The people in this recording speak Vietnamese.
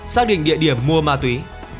xác định địa điểm mua ma túy